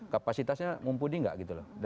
kapasitasnya mumpuni nggak gitu loh